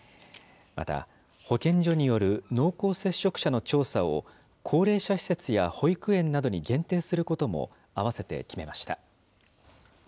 また、保健所による濃厚接触者の調査を、高齢者施設や保育園などに限定することも併せて決めました。